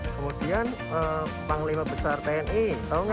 kemudian panglima besar tni tau gak